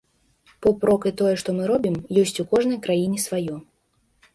Поп-рок і тое, што мы робім, ёсць у кожнай краіне сваё.